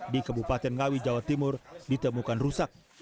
di kabupaten ngawi jawa timur ditemukan rusak